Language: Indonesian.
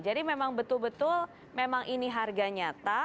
jadi memang betul betul memang ini harga nyata